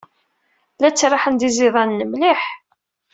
La ttraḥen d iẓidanen mliḥ.